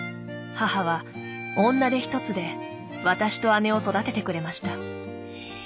母は女手一つで私と姉を育ててくれました。